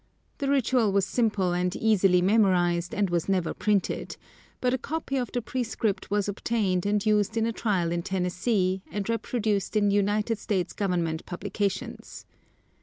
The ritual was simple and easily memorized and was never printed; but a copy of the prescript was obtained and used in a trial in Tennessee and reproduced in United States government publications.